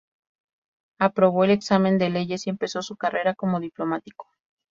Aprobó el examen de leyes y empezó su carrera cómo diplomático.